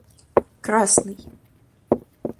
красный